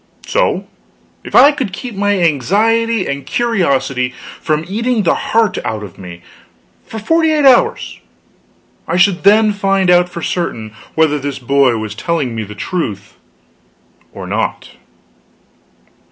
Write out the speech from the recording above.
So, if I could keep my anxiety and curiosity from eating the heart out of me for forty eight hours, I should then find out for certain whether this boy was telling me the truth or not.